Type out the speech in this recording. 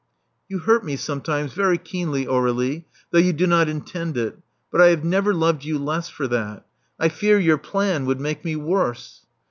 *'You hurt me sometimes very keenly, Aurdlie, though you do not intend it. But I have never loved you less for that. I fear your plan would make me worse."